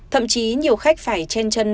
thậm chí nhiều khách phải chen chân